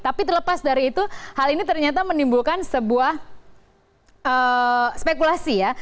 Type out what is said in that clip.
tapi terlepas dari itu hal ini ternyata menimbulkan sebuah spekulasi ya